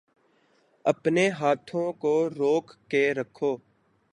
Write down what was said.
اپنے ہاتھوں کو روک کے رکھو